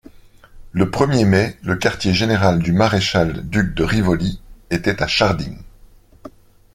Le premier mai, le quartier-général du maréchal duc de Rivoli était à Sharding.